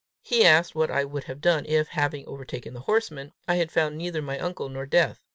He asked what I would have done, if, having overtaken the horseman, I had found neither my uncle nor Death.